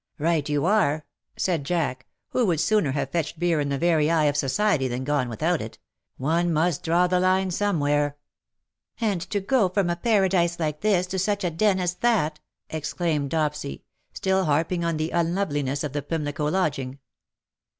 " Right you are/' said Jack^ who would sooner have fetched beer in the very eye of society than gone without it ;" one must draw the line some where/' " And to go from a paradise like this to such a den as that/' exclaimed Dopsy^ still harping on the unloveliness of the Pimlico lodging.